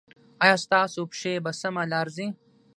ایا ستاسو پښې په سمه لار ځي؟